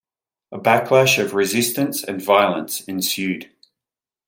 A backlash of resistance and violence ensued.